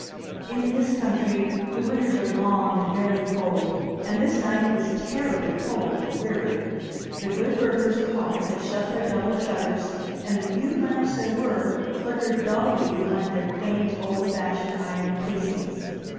In this country the winters are long and very cold, and this night was terribly cold and dreary. The good burghers of Hall had shut their double shutters, and the few lamps there were, flickered dully behind their quaint, old fashioned iron casings.